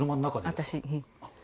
私。